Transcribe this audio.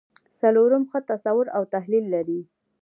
څلورم ښه تصور او تحلیل لري.